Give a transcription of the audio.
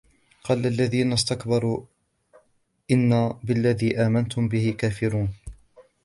قال الذين استكبروا إنا بالذي آمنتم به كافرون